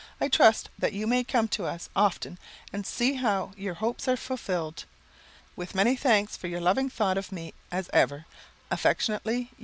I trust you may come to us often and see how your hopes are fulfilled. With many thanks for your loving thought of me, as ever, Affectionately yours."